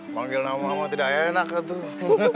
panggil nama nama tidak enak lah tuh